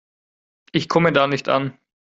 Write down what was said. Ich komme da nicht an.